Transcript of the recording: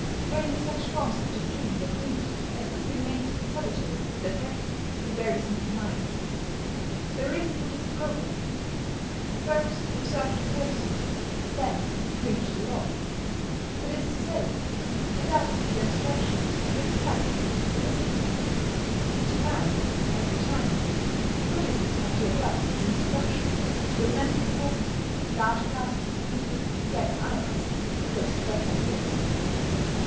Only such forms of doctrine were preached as could be made intelligible and attractive to very simple minds. There is a Buddhist proverb: "First observe the person; then preach the Law," that is to say, Adapt your instruction to the capacity of the listener. In Japan, as in China, Buddhism had to adapt its instruction to the mental capacity of large classes of people yet unaccustomed to abstract ideas.